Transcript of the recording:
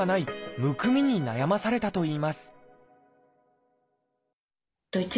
むくみに悩まされたといいます